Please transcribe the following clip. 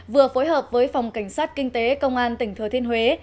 vừa phối hợp với phòng cảnh sát kinh tế công an tỉnh thừa thiên huế